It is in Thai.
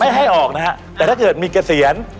ให้ออกนะฮะแต่ถ้าเกิดมีเกษียณ